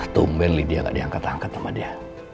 tungguin lydia gak dianggtahanget sama dia